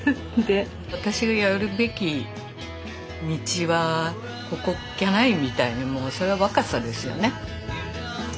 「私がやるべき道はここっきゃない」みたいにもうそれは若さですよね。